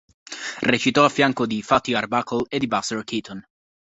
Recitò a fianco di 'Fatty' Arbuckle e di Buster Keaton.